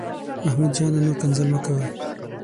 محمود جانه، نور کنځل مه کوه.